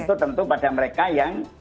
itu tentu pada mereka yang